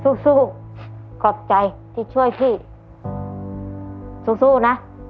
สู้สู้ขอบใจที่ช่วยพี่สู้นะ